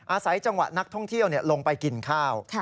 อาศัยจังหวะนักท่องเที่ยวลงไปกินข้าว